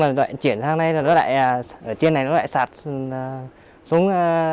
nhưng mà chuyển sang đây rồi nó lại ở trên này nó lại sạt xuống